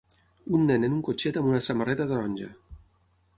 Un nen en un cotxet amb una samarreta taronja.